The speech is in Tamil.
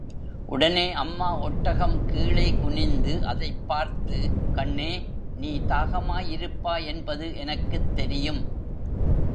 உடனே அம்மா ஒட்டகம் கீழே குனிந்து அதைப் பார்த்து, கண்ணே, நீ தாகமாயிருப்பாய் என்பது எனக்குத் தெரியும்.